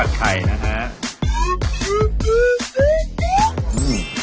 ใช่ไหม